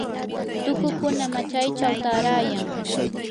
tukukuna machaychaw taarayan.